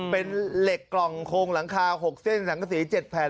เป็นเหล็กกล่องโครงหลังคา๖เส้นสังกษี๗แผ่น